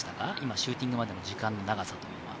シューティングまでの時間の長さというのは？